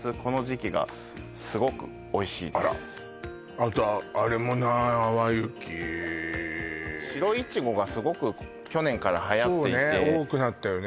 あとあれもない淡雪白いちごがすごく去年からはやっていてそうね